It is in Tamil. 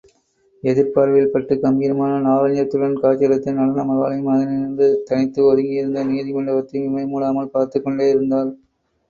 எதிர்ப்பார்வையில் பட்டுக் கம்பீரமான லாவண்யத்துடன் காட்சியளித்த நடன மகாலையும் அதனின்றும் தனித்து ஒதுங்கியிருந்த நீதிமண்டபத்தையும் இமை மூடாமல் பார்த்துக்கொண்டேயிருந்தாள்.